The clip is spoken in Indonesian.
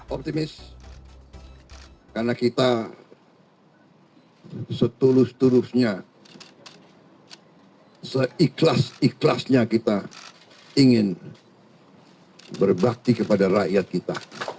optimis karena kita setulus tulusnya seikhlas ikhlasnya kita ingin berbakti kepada rakyat kita